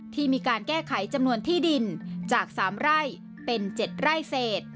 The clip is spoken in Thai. ที่มีการแก้ไขจำนวนที่ดินจาก๓ไร่เป็น๗ไร่เศษ